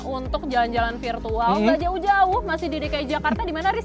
untuk jalan jalan virtual gak jauh jauh masih di dki jakarta di mana di jalan jalan jalan